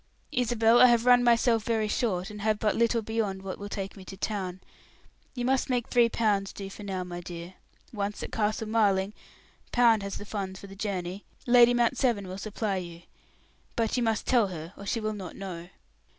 "Isabel, I have run myself very short, and have but little beyond what will take me to town. You must make three pounds do for now, my dear. Once at Castle Marling Pound has the funds for the journey Lady Mount Severn will supply you; but you must tell her, or she will not know."